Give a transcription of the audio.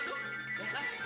aduh eh ini gak men